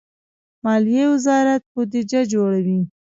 مالیې وزارت بودجه جوړوي